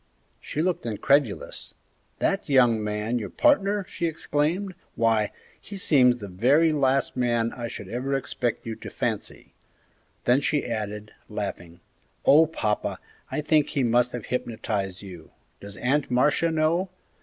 She looked incredulous. "That young man your partner!" she exclaimed; "why, he seems the very last man I should ever expect you to fancy!" Then she added, laughing, "Oh, papa, I think he must have hypnotized you! Does Aunt Marcia know?